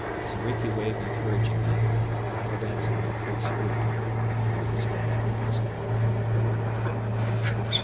Soriki waved encouragingly and the pilot answered with a quick salute before he sped after his quarry.